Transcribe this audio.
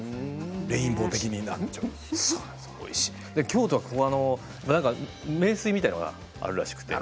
京都はここは名水みたいなのがあるらしくて。